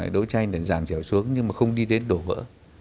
đấu tranh để giảm thiểu xuống nhưng mà không đi đến đổ vỡ